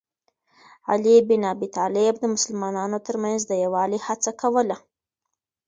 علي بن ابي طالب د مسلمانانو ترمنځ د یووالي هڅه کوله.